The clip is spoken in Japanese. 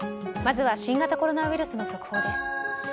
まずは新型コロナウイルスの速報です。